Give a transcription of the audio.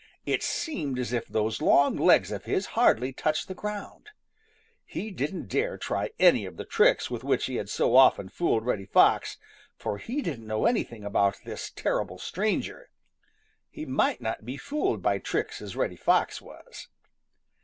It seemed as if those long legs of his hardly touched the ground. He didn't dare try any of the tricks with which he had so often fooled Reddy Fox, for he didn't know anything about this terrible stranger. He might not be fooled by tricks as Reddy Fox was.